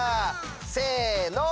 せの！